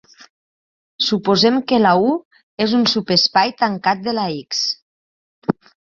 Suposem que la "U" és un subespai tancat de la "X".